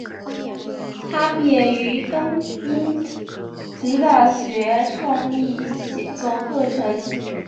她毕业于东英吉利亚大学创意写作课程。